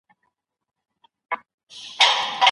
زه وخت نه نيسم.